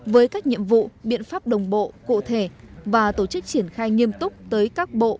với các nhiệm vụ biện pháp đồng bộ cụ thể và tổ chức triển khai nghiêm túc tới các bộ